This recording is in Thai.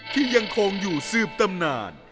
ที่ยังคงอยู่สืบตำนาน